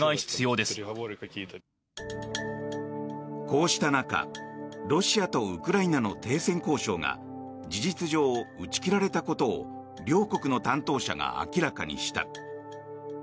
こうした中ロシアとウクライナの停戦交渉が事実上、打ち切られたことを両国の担当者が明らかにした。